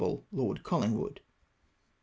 Lord Collingwood."